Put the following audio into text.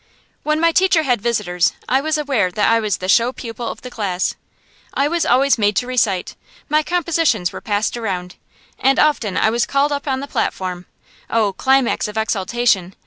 When my teacher had visitors I was aware that I was the show pupil of the class. I was always made to recite, my compositions were passed around, and often I was called up on the platform oh, climax of exaltation!